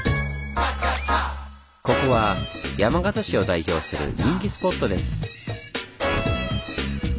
ここは山形市を代表する人気スポットです。